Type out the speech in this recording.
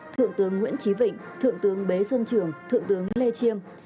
thượng tướng nguyễn trí vịnh thượng tướng bế xuân trường thượng tướng lê chiêm